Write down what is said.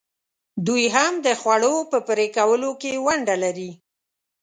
دوی هم د خوړو په پرې کولو کې ونډه لري.